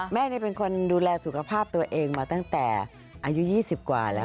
แม่เป็นคนดูแลสุขภาพตัวเองมาตั้งแต่อายุ๒๐กว่าแล้ว